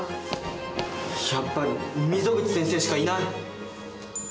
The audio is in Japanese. やっぱり溝口先生しかいない！